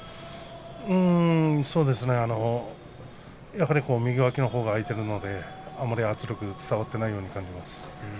やはり右脇が空いているのであまり圧力が伝わっていないように感じます。